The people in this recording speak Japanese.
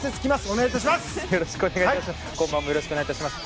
お願い致します！